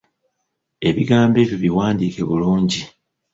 Ebigambo ebyo biwandiike bulungi.